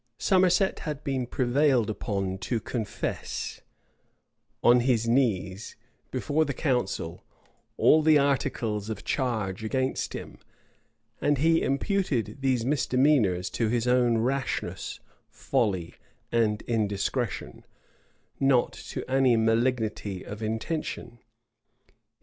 Somerset had been prevailed on to confess, on his knees, before the council, all the articles of charge against him; and he imputed these misdemeanors to his own rashness, folly, and indiscretion, not to any malignity of intention.